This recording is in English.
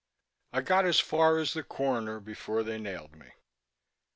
I got as far as the corner before they nailed me.